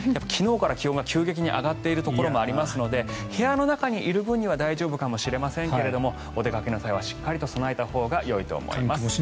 昨日から気温が急激に上がっているところもありますので部屋の中にいる分には大丈夫かもしれませんがお出かけの際はしっかりと備えたほうがいいと思います。